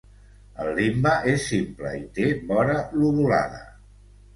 El limbe és simple i té vora lobulada.